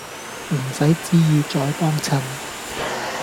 唔使旨意再幫襯